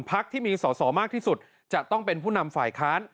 พักที่มีสอสอมากที่สุดจะต้องเป็นผู้นำฝ่ายค้าน